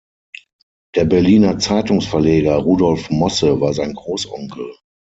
Der Berliner Zeitungsverleger Rudolf Mosse war sein Großonkel.